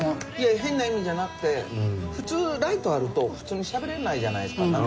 変な意味じゃなくて普通ライトあると普通にしゃべれないじゃないですか。